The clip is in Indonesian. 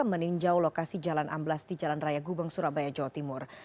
meninjau lokasi jalan amblas di jalan raya gubeng surabaya jawa timur